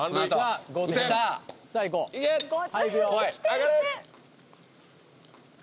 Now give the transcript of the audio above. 上がれ！